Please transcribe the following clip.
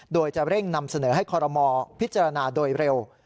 โดยจะเร่งนำเสนอให้คอรมอลพิจารณาโดยเร็ว